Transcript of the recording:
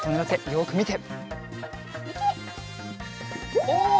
よくみて。